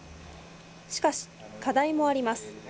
しかし、課題もあります。